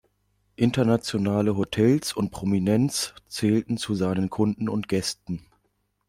Internationale Hotels und Prominenz zählten zu seinen Kunden und Gästen.